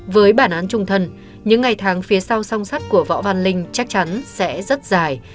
với bản án trung thân những ngày tháng phía sau song sắt của võ văn linh chắc chắn sẽ rất dài